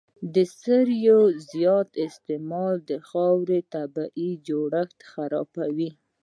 د سرې زیات استعمال د خاورې طبیعي جوړښت خرابوي.